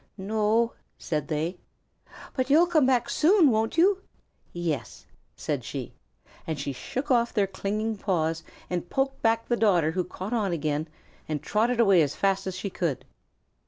"N no," said they; "but you'll come back soon, won't you?" "Yes," said she, and she shook off their clinging paws and poked back the daughter who caught on again, and trotted away as fast as she could.